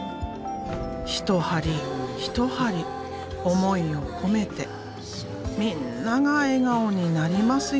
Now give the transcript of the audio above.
一針一針思いを込めてみんなが笑顔になりますように。